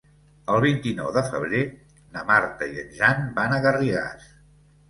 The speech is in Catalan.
El vint-i-nou de febrer na Marta i en Jan van a Garrigàs.